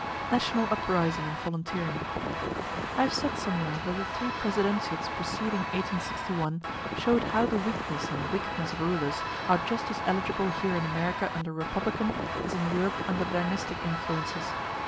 NATIONAL UPRISING AND VOLUNTEERING I have said somewhere that the three Presidentiads preceding 1861 show'd how the weakness and wickedness of rulers are just as eligible here in America under republican, as in Europe under dynastic influences.